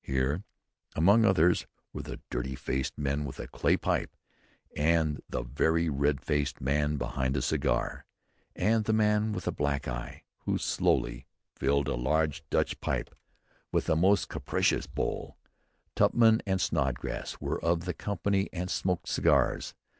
Here, among others, were the dirty faced man with a clay pipe, the very red faced man behind a cigar, and the man with a black eye, who slowly filled a large Dutch pipe with most capacious bowl. Tupman and Snodgrass were of the company and smoked cigars.